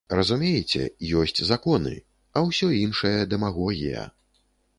Разумееце, ёсць законы, а ўсё іншае дэмагогія.